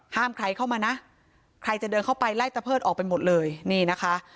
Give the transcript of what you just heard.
ห้ามใครเข้ามานะใครจะเดินเข้าไปไล่ตะเพิดออกไปหมดเลยนี่นะคะ